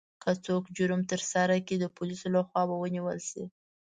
که څوک جرم ترسره کړي، د پولیسو لخوا به ونیول شي.